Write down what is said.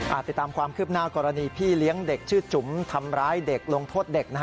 ติดตามความคืบหน้ากรณีพี่เลี้ยงเด็กชื่อจุ๋มทำร้ายเด็กลงโทษเด็กนะฮะ